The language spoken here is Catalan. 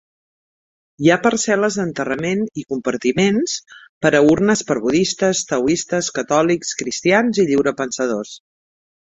Hi ha parcel·les d'enterrament i compartiments per a urnes per budistes, taoistes, catòlics, cristians i lliurepensadors.